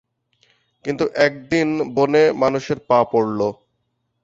কিন্তু একদিন, বনে মানুষের পা পড়লো।